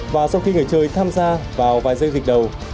và sau khi người chơi tham gia vào vài dây dịch đầu